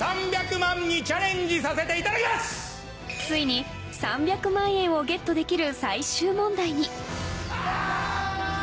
ついに３００万円をゲットできる最終問題にあ！